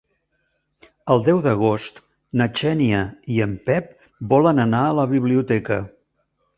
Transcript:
El deu d'agost na Xènia i en Pep volen anar a la biblioteca.